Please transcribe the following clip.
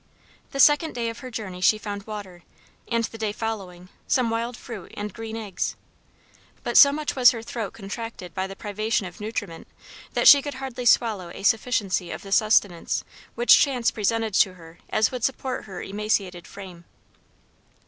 The second day of her journey she found water; and the day following, some wild fruit and green eggs; but so much was her throat contracted by the privation of nutriment, that she could hardly swallow such a sufficiency of the sustenance which chance presented to her as would support her emaciated frame.